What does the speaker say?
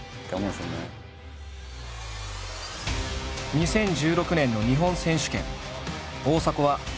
２０１６年の日本選手権。